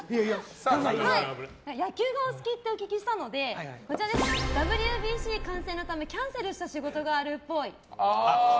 野球がお好きってお聞きしたのでＷＢＣ観戦のためキャンセルした仕事があるっぽい。